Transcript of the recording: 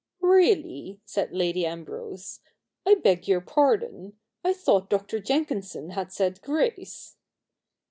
'Really,' said Lady Ambrose, 'I beg your pardon. I thought Dr. Jenkinson had said grace.'